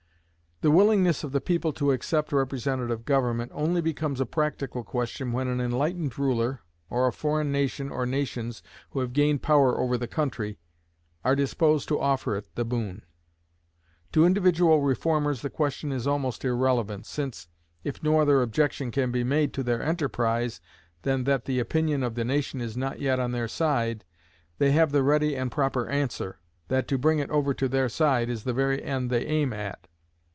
The willingness of the people to accept representative government only becomes a practical question when an enlightened ruler, or a foreign nation or nations who have gained power over the country, are disposed to offer it the boon. To individual reformers the question is almost irrelevant, since, if no other objection can be made to their enterprise than that the opinion of the nation is not yet on their side, they have the ready and proper answer, that to bring it over to their side is the very end they aim at.